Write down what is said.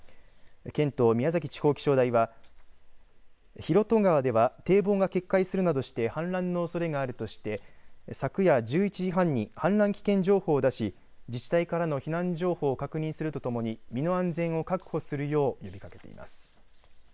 県と宮崎県地方気象台は広渡川では堤防が決壊するなどして氾濫のおそれがあるとして昨夜１１時半に氾濫危険情報を出し自治体からの避難情報を確認するとともに身の安全を確保するよう呼びかけています。